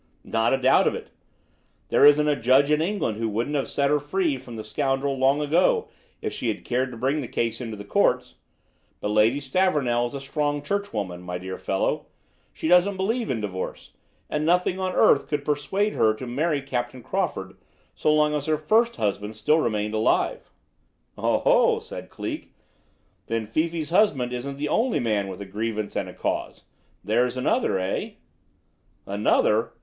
"Not a doubt of it. There isn't a judge in England who wouldn't have set her free from the scoundrel long ago if she had cared to bring the case into the courts. But Lady Stavornell is a strong Church woman, my dear fellow; she doesn't believe in divorce, and nothing on earth could persuade her to marry Captain Crawford so long as her first husband still remained alive." "Oho!" said Cleek. "Then Fifi's husband isn't the only man with a grievance and a cause? There's another, eh?" "Another?